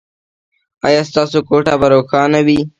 ایا ستاسو کوټه به روښانه وي؟